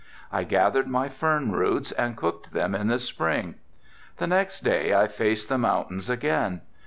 I gathered my fern roots and cooked them in the spring. The next day I faced the mountains again.